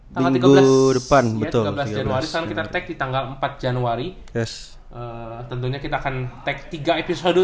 tanggal tiga belas depan betul tiga belas januari tanggal empat januari tentunya kita akan teks tiga episode